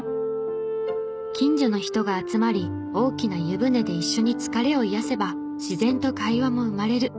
近所の人が集まり大きな湯船で一緒に疲れを癒やせば自然と会話も生まれる。